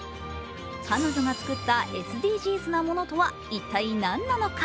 彼女が作ったＳＤＧｓなものとは一体何なのか。